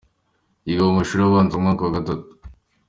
Yiga mu mashuri abanza mu mwaka wa gatandatu.